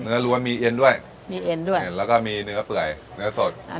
รั้วมีเอ็นด้วยมีเอ็นด้วยเอ็นแล้วก็มีเนื้อเปื่อยเนื้อสด